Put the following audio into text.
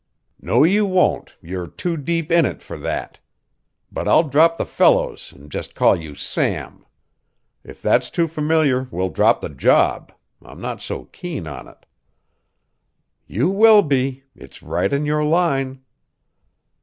"No you won't; you're too deep in it for that. But I'll drop the Fellows and just call you Sam. If that's too familiar, we'll drop the job. I'm not so keen on it." "You will be. It's right in your line."